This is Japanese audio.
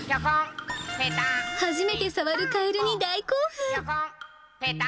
初めて触るカエルに大興奮。